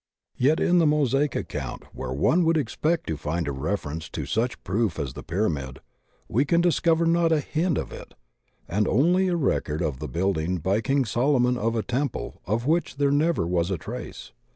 Yet in the Mosaic account, where one would expect to find a reference to such proof as the pyramid, we can dis cover not a hint of it and only a record of the building by King Solomon of a temple of which there never was a trace.